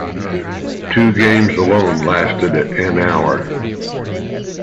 Two games alone lasted an hour.